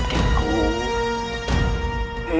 itu sangat bagus sekali